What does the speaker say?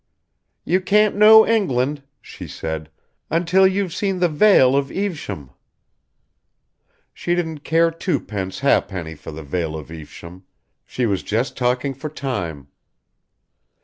"You can't know England," she said, "until you've seen the Vale of Evesham." She didn't care twopence ha'penny for the Vale of Evesham she was just talking for time.